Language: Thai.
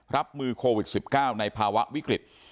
รับมือโควิด๑๙ในภาวะวิกฤต